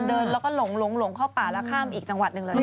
เดินแล้วก็หลงเข้าป่าแล้วข้ามอีกจังหวัดหนึ่งเลย